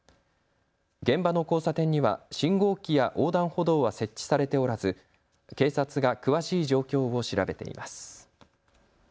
現場の交差点には信号機や横断歩道は設置されておらず警察が詳しい状況を調べています。